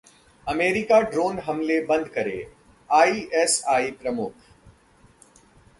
America drone हमलें बंद करे: आईएसआई प्रमुख